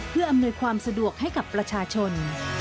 เพื่ออำนวยความสะดวกให้กับประชาชน